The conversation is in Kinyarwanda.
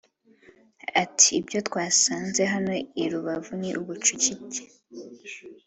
Ati “Ibyo twasanze hano i Rubavu ni ubucucike